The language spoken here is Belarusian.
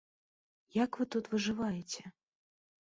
Як вы тут выжываеце?